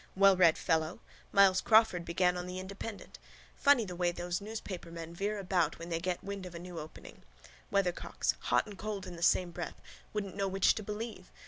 Wellread fellow. Myles Crawford began on the Independent. Funny the way those newspaper men veer about when they get wind of a new opening. Weathercocks. Hot and cold in the same breath. Wouldn't know which to believe.